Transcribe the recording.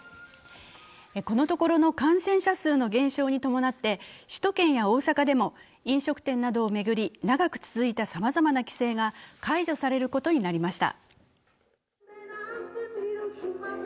このところの感染者数の減少に伴って首都圏や大阪でも飲食店などを巡り長く続いたさまざまな規制が解除されることになりました。